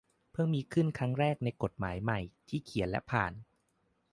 เพิ่งมีขึ้นครั้งแรกในกฎหมายใหม่ ที่เขียนและผ่าน